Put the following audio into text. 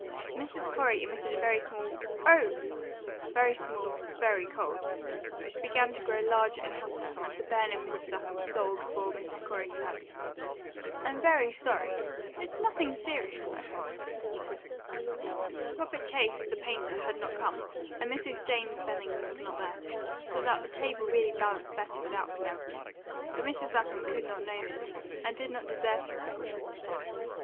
Mrs. Corey emitted a very small "O!" very small, very cold, which began to grow larger and hotter and to burn into Mrs. Lapham's soul before Mrs. Corey could add, "I'm very sorry. It's nothing serious, I hope?" Robert Chase, the painter, had not come, and Mrs. James Bellingham was not there, so that the table really balanced better without Penelope; but Mrs. Lapham could not know this, and did not deserve to know it.